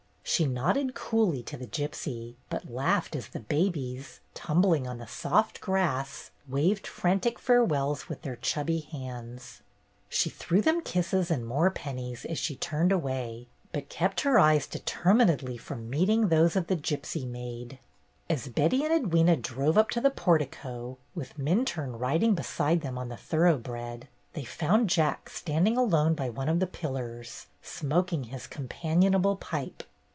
She nodded coolly to the gypsy, but laughed as the babies, tumbling on the soft grass, waved frantic farewells with their chubby hands. She threw them kisses and more pennies as she turned away, but kept her eyes determinedly from meeting those of the gypsy maid. As Betty and Edwyna drove up to the por tico, with Minturne riding beside them on the thoroughbred, they found Jack standing alone by one of the pillars, smoking his companion able pipe.